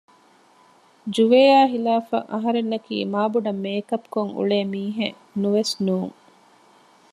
ޖުވޭއާ ހިލާފަށް އަހަރެންނަކީ މާބޮޑަށް މޭކަޕް ކޮށް އުޅޭ މީހެއް ނުވެސް ނޫން